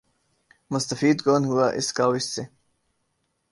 مستفید کون ہوا اس کاؤس سے ۔